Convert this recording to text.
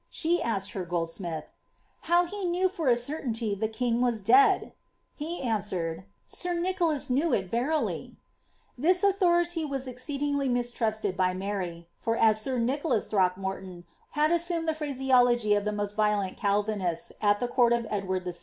Slie asked her goldsmith, ^ How he * a certainty the king was dead ?'' He answered, ^^ Sir Nicholas verily .'' This authority was exceedingly mistrusted by Mary, ' Nicholas Throckmorton' had assumed the phraseology of the >lent Calvinists at the court of Edward VI.